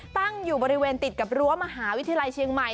ตั้งอยู่บริเวณติดกับรั้วมหาวิทยาลัยเชียงใหม่